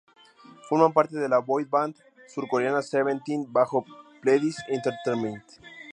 Forma parte de la "boy band" surcoreana Seventeen bajo Pledis Entertainment.